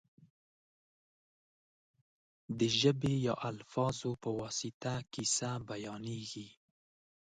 د ژبې یا الفاظو په واسطه کیسه بیانېږي.